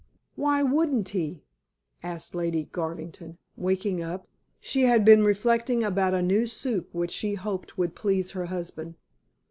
"Why wouldn't he?" asked Lady Garvington, waking up she had been reflecting about a new soup which she hoped would please her husband.